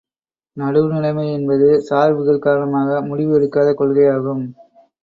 நடுவு நிலைமை என்பது சார்புகள் காரணமாக முடிவு எடுக்காத கொள்கையாகும்.